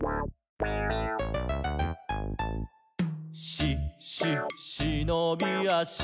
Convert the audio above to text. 「し・し・しのびあし」